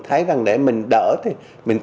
thấy rằng để mình đỡ thì mình